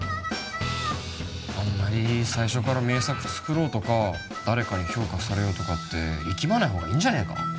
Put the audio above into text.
あんまり最初から名作作ろうとか誰かに評価されようとかって力まないほうがいいんじゃねえか